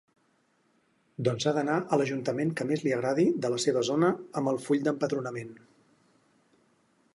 Doncs ha d'anar a l'ajuntament que més li agradi de la seva zona amb el full d'empadronament.